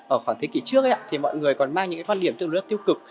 ở khoảng thế kỷ trước mọi người còn mang những quan điểm tự nhiên tiêu cực